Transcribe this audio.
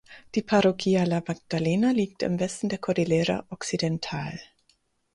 Die Parroquia La Magdalena liegt im Westen der Cordillera Occidental.